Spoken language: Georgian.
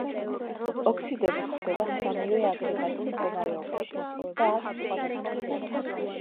ოქსიდები გვხვდება სამივე აგრეგატულ მდგომარეობაში და აქვთ სხვადასხვა ფერი.